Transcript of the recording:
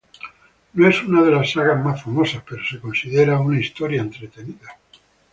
No es una de las sagas más famosas, pero se considera una historia entretenida.